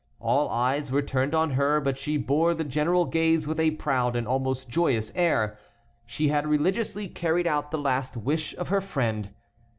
All eyes were turned on her, but she bore the general gaze with a proud and almost joyous air. She had religiously carried out the last wish of her friend.